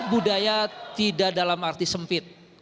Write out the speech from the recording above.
budaya tidak dalam arti sempit